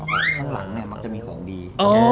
ข้างหลังมักจะมีของดี